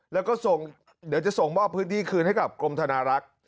แล้วก็ส่งเดี๋ยวจะส่งมอบพื้นที่คืนให้กับกรมธนารักษ์